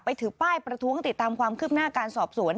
ถือป้ายประท้วงติดตามความคืบหน้าการสอบสวน